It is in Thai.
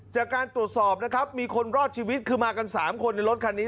จากการตรวจสอบนะครับมีคนรอดชีวิตคือมากัน๓คนในรถคันนี้